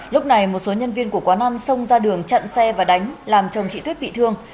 lúc này một số nhân viên của quán ăn xông ra đường chặn xe và đánh làm chồng chị tuyết bị thương